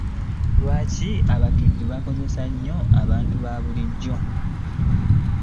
Lwaki abatujju bakozesa nnyo abantu babulijjo?